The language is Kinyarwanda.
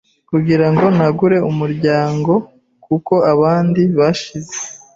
kugirango nagure umuryango kuko abandi bashize,